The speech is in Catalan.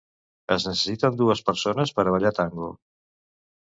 Es necessiten dues persones per a ballar tango.